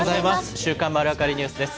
週刊まるわかりニュースです。